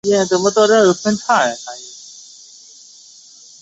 圣格雷瓜尔达登人口变化图示